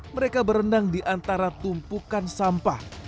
mereka berenang di antara tumpukan sampah